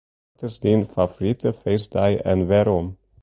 Wat is dyn favorite feestdei en wêrom?